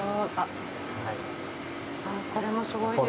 これもすごいですよね。